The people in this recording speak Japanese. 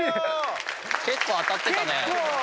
結構当たってたね。